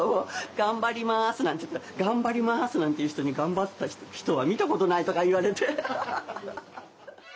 「頑張ります」なんて言うと「頑張りますなんて言う人に頑張った人は見たことない」とか言われて。